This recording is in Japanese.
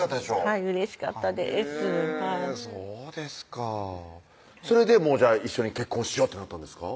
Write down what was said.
はいうれしかったですそうですかそれで一緒に結婚しようってなったんですか？